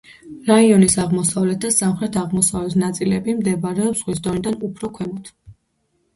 რაიონის აღმოსავლეთ და სამხრეთ-აღმოსავლეთ ნაწილები მდებარეობს ზღვის დონიდან უფრო ქვემოთ.